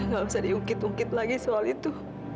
nggak usah diungkit ungkit lagi soal itu